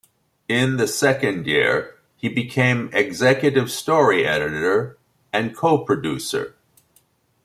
In the second year, he became executive story editor and co-producer.